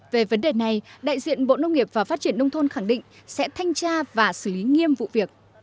về vấn đề này đại diện bộ nông nghiệp và phát triển nông thôn khẳng định sẽ thanh tra và xử lý nghiêm vụ việc